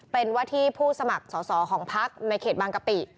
เป็นว่าที่ผู้สมัครสอสอของพักในเขตบางกะปิ